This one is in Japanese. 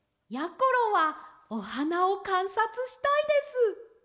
ころはおはなをかんさつしたいです！